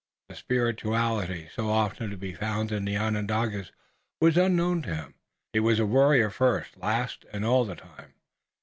The spirituality so often to be found in the Onondagas was unknown to him. He was a warrior first, last and all the time.